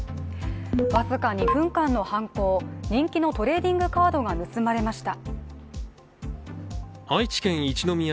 僅か２分間の犯行、人気のトレーディングカードが盗まれました。